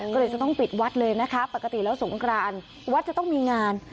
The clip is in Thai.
ก็เลยจะต้องปิดวัดเลยนะคะปกติแล้วสงครานวัดจะต้องมีงาน